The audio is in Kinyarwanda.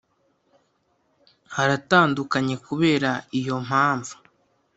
haratandukanye Kubera iyo mpamvu